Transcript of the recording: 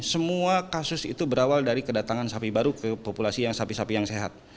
semua kasus itu berawal dari kedatangan sapi baru ke populasi yang sapi sapi yang sehat